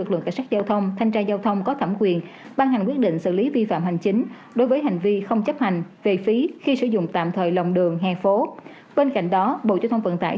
chúng ta sẽ cùng tìm hiểu trong câu chuyện giao thông ngày hôm nay